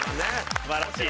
素晴らしい。